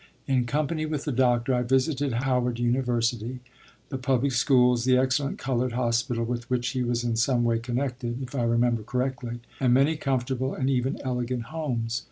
In company with the doctor I visited Howard University, the public schools, the excellent colored hospital, with which he was in some way connected, if I remember correctly, and many comfortable and even elegant homes.